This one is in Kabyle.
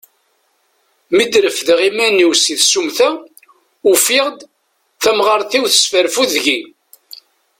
Mi d-refdeɣ iman-iw si tsumta, ukiɣ-d, tamɣart-iw tesfarfud deg-i.